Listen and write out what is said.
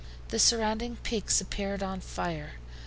The surrounding peaks appeared on fire.